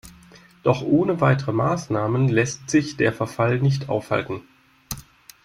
Doch ohne weitere Maßnahmen lässt sich der Verfall nicht aufhalten.